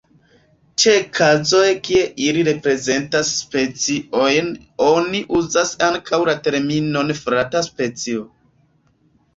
Ĉe kazoj kie ili reprezentas speciojn, oni uzas ankaŭ la terminon frata specio.